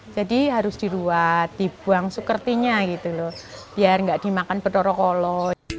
jadi harus diruat dibuang soekertinya gitu loh biar gak dimakan pedoro kolo